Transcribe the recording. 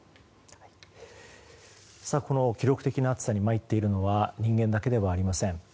この記録的な暑さに参っているのは人間だけではありません。